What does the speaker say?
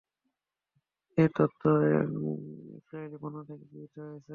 এ তথ্য ইসরাঈলী বর্ণনা থেকে গৃহীত হয়েছে।